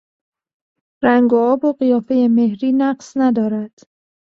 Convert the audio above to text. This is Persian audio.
رنگ و آب و قیافهی مهری نقص ندارد.